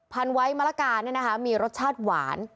พันวัยมะละกาเนี่ยนะคะมีรสชาติหวาน